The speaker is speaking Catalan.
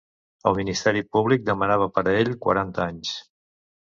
El ministeri públic demanava per a ell quaranta anys.